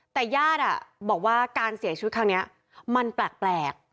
แต่ญาติอ่ะบอกว่าการเสียชีวิตทางเนี้ยมันแปลกแปลก